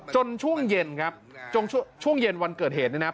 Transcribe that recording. ช่วงเย็นครับช่วงเย็นวันเกิดเหตุเนี่ยนะ